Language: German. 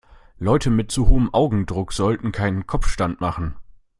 Leute mit zu hohem Augendruck sollten keinen Kopfstand machen.